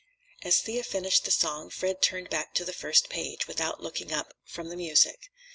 As Thea finished the song Fred turned back to the first page, without looking up from the music.